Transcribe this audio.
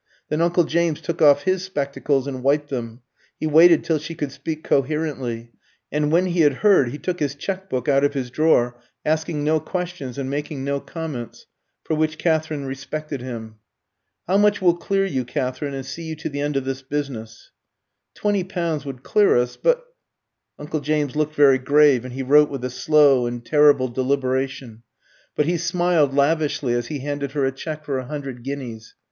Then uncle James took off his spectacles and wiped them. He waited till she could speak coherently; and when he had heard, he took his cheque book out of his drawer, asking no questions and making no comments for which Katherine respected him. "How much will clear you, Katherine, and see you to the end of this business?" "Twenty pounds would clear us; but " Uncle James looked very grave, and he wrote with a slow and terrible deliberation. But he smiled lavishly as he handed her a cheque for a hundred guineas.